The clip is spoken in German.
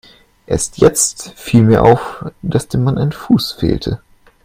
Erst jetzt viel mir auf, dass dem Mann ein Fuß fehlte.